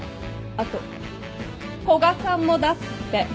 あと古賀さんも出すって。